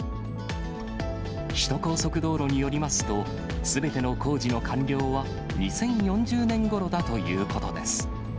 首都高速道路によりますと、すべての工事の完了は２０４０年ごろだということです。